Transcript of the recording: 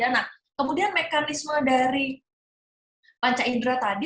nah kemudian mekanisme dari panca indra tadi